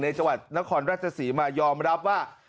จังหวัดนครราชศรีมายอมรับว่า